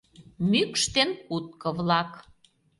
МӰКШ ДЕН КУТКО-ВЛАК